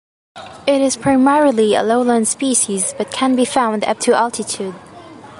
It is primarily a lowland species but can be found up to altitude.